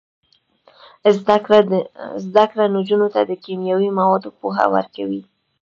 زده کړه نجونو ته د کیمیاوي موادو پوهه ورکوي.